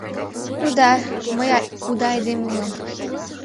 — Ну да, мый уда айдеме улам.